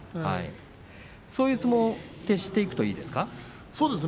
そういう相撲に徹していくといいですか。